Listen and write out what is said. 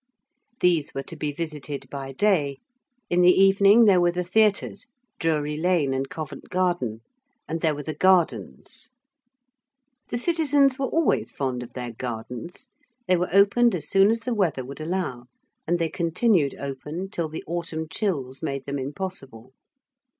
These were to be visited by day. In the evening there were the theatres, Drury Lane and Covent Garden: and there were the Gardens. The citizens were always fond of their Gardens. They were opened as soon as the weather would allow, and they continued open till the autumn chills made them impossible.